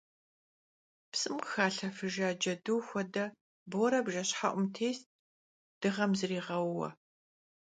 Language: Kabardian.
Psım khıxalhefıjja cedu xuede, Bore bjjeşhe'um têst, dığem zriğeuue.